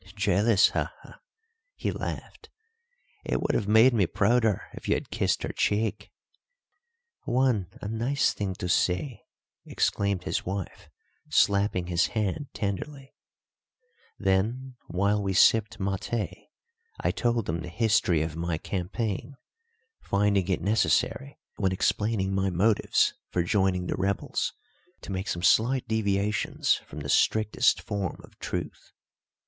"Jealous ha, ha!" he laughed. "It would have made me prouder if you had kissed her cheek." "Juan a nice thing to say!" exclaimed his wife, slapping his hand tenderly. Then while we sipped maté I told them the history of my campaign, finding it necessary, when explaining my motives for joining the rebels, to make some slight deviations from the strictest form of truth.